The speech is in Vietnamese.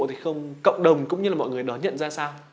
thì không cộng đồng cũng như là mọi người nó nhận ra sao